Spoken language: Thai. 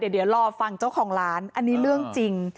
เดี๋ยวรอฟังเจ้าของร้านอันนี้เรื่องจริง